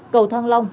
cầu thang long